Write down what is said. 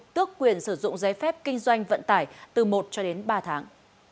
tước quyền sử dụng giấy phép kinh doanh vận tải từ một cho đến ba tháng